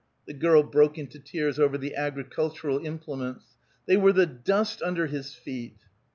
The girl broke into tears over the agricultural implements. "They were the dust under his feet."